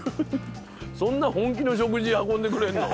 そんな本気の食事運んでくれんの？